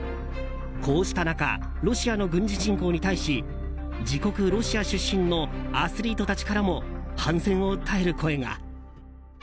こうした中ロシアの軍事侵攻に対し自国ロシア出身のアスリートたちからも反戦を訴える声が。